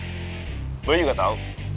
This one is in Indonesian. jadi ada jalanan baru yang belum aktif